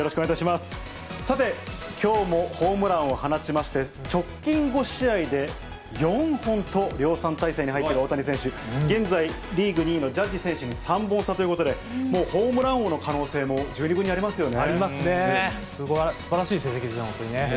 さて、きょうもホームランを放ちまして、直近５試合で４本と量産態勢に入っている大谷選手、現在リーグ２位のジャッジ選手に３本差ということで、もうホームラン王の可能性も十二分にありますよね。